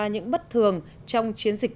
những bất thường trong chiến dịch